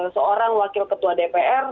seorang wakil ketua dpr